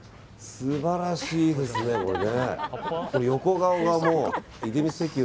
素晴らしいですね、これね。